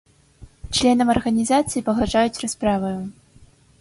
Членам арганізацыі пагражаюць расправаю.